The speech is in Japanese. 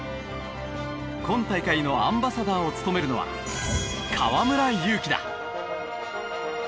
今大会のアンバサダーを務めるのは河村勇輝だ。